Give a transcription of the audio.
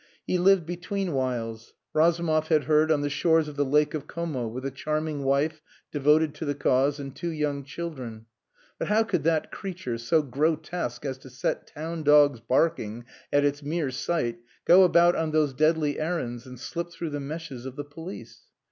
He lived between whiles, Razumov had heard, on the shores of the Lake of Como, with a charming wife, devoted to the cause, and two young children. But how could that creature, so grotesque as to set town dogs barking at its mere sight, go about on those deadly errands and slip through the meshes of the police?